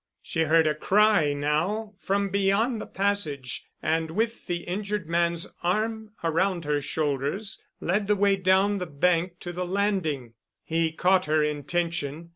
She heard a cry now from beyond the passage and with the injured man's arm around her shoulders, led the way down the bank to the landing. He caught her intention.